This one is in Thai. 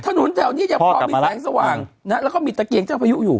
ถนนแถวนี้ยังพอมีแสงสว่างแล้วก็มีตะเกียงเจ้าพายุอยู่